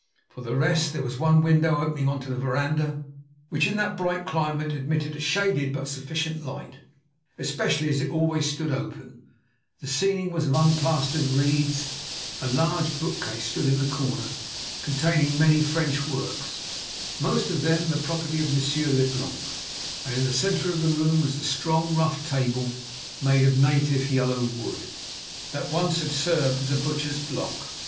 For the rest, there was one window opening on to the veranda, which, in that bright climate, admitted a shaded but sufficient light, especially as it always stood open; the ceiling was of unplastered reeds; a large bookcase stood in the corner containing many French works, most of them the property of Monsieur Leblanc, and in the centre of the room was the strong, rough table made of native yellow wood, that once had served as a butcher's block.